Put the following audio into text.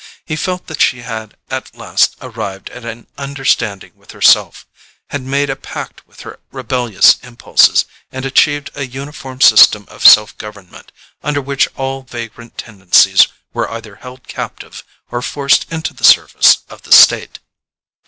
He felt that she had at last arrived at an understanding with herself: had made a pact with her rebellious impulses, and achieved a uniform system of self government, under which all vagrant tendencies were either held captive or forced into the service of the state.